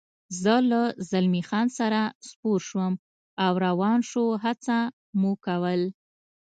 زه له زلمی خان سره سپور شوم او روان شو، هڅه مو کول.